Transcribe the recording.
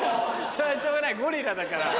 それはしょうがないゴリラだから。